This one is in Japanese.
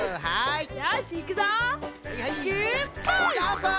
はい！